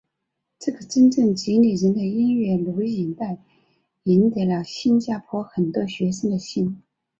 这个真正激励人的音乐录影带赢得了新加坡很多学生的心。